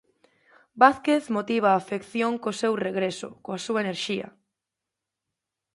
Vázquez motiva a afección co seu regreso, coa súa enerxía.